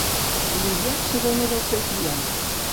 L'Illa s'adona del seu triomf.